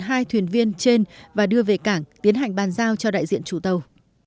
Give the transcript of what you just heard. hai thuyền viên trên và đưa về cảng tiến hành bàn giao cho đại diện chủ tàu